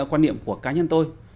quan niệm của cá nhân tôi